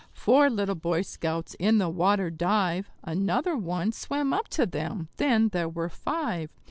Four little Boy Scouts in the water dive; Another one swam up to them then there were five.